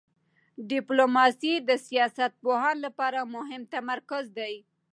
ډیپلوماسي د سیاست پوهانو لپاره مهم تمرکز دی.